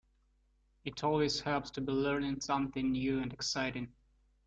It always helps to be learning something new and exciting.